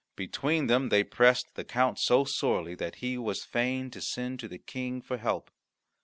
Between them they pressed the count so sorely that he was fain to send to the King for help.